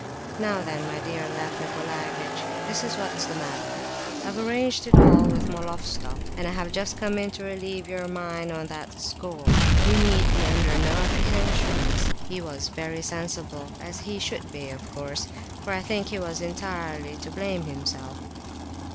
Now then, my dear Lef Nicolaievitch, this is what's the matter. I've arranged it all with Moloftsoff, and have just come in to relieve your mind on that score. You need be under no apprehensions. He was very sensible, as he should be, of course, for I think he was entirely to blame himself."